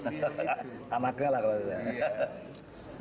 amatnya lah kalau gitu